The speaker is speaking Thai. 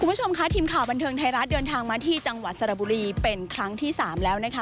คุณผู้ชมค่ะทีมข่าวบันเทิงไทยรัฐเดินทางมาที่จังหวัดสระบุรีเป็นครั้งที่สามแล้วนะคะ